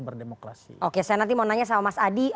berdemokrasi oke saya nanti mau nanya sama mas adi